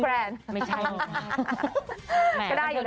มิสแกรนไม่ใช่เหมือนกันก็ได้อยู่นะ